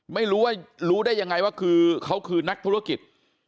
ไม่รู้รู้ได้ยังไงว่าคือเขาคือนักธุรกิจ